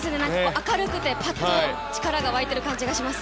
明るくて力が湧いている感じがします。